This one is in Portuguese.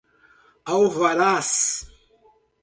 alvarás